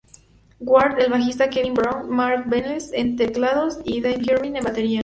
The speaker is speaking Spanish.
Ward, el bajista Kevin Browne, Mark Venables en teclados y Dave Irving en batería.